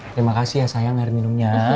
terima kasih ya sayang akhirnya